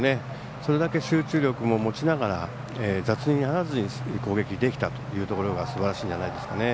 それだけ集中力も持ちながら雑にならずに攻撃できたというところがすばらしいんじゃないですかね。